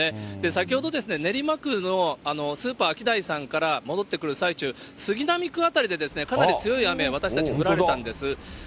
先ほどですね、練馬区のスーパー、アキダイさんから戻ってくる最中、杉並区辺りでですね、かなり強い雨、私たち降られたんです。